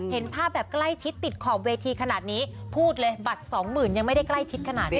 เห็นภาพแบบใกล้ชิดติดขอบเวทีขนาดนี้พูดเลยบัตรสองหมื่นยังไม่ได้ใกล้ชิดขนาดนี้